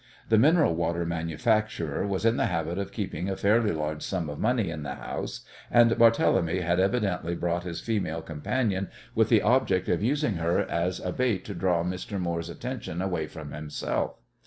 The mineral water manufacturer was in the habit of keeping a fairly large sum of money in the house, and Barthélemy had evidently brought his female companion with the object of using her as a bait to draw Mr. Moore's attention away from himself.